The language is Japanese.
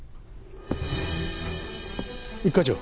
一課長。